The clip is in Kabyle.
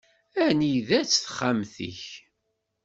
Anida-tt texxamt-ik?